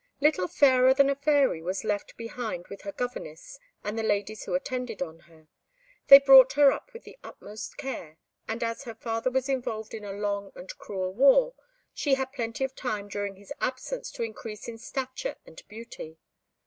Little Fairer than a Fairy was left behind with her governess and the ladies who attended on her; they brought her up with the utmost care, and as her father was involved in a long and cruel war, she had plenty of time during his absence to increase in stature and beauty.